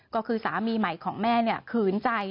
ก็คือสามีใหม่ของแม่ขืนใจ